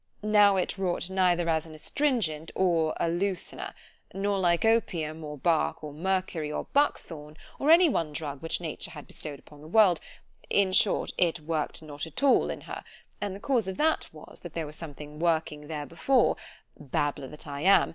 Now it wrought neither as an astringent or a loosener; nor like opium, or bark, or mercury, or buckthorn, or any one drug which nature had bestowed upon the world—in short, it work'd not at all in her; and the cause of that was, that there was something working there before——Babbler that I am!